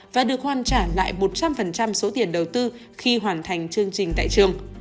và được hoàn trả lại một trăm linh số tiền đầu tư khi hoàn thành chương trình tại trường